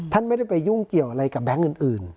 ท่านไม่ได้ไปยุ่งเกี่ยวอะไรกับแบงค์อื่น